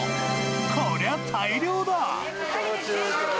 こりゃ大漁だ。